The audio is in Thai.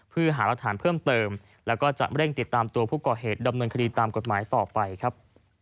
เพื่อหารักฐานเพิ่มเติมแล้วก็จะเร่งติดตามตัวผู้ก่อเหตุดำเนินคดีตามกฎหมายต่อไปครับ